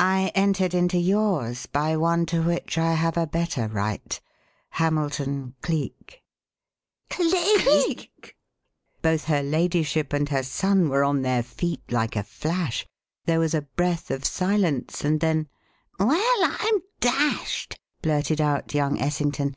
I entered into yours by one to which I have a better right Hamilton Cleek!" "Cleek!" Both her ladyship and her son were on their feet like a flash; there was a breath of silence and then: "Well, I'm dashed!" blurted out young Essington.